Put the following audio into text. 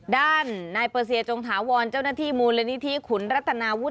ด้านนายเปอร์เซียจงถาวรเจ้าหน้าที่มูลนิธิขุนรัฐนาวุฒ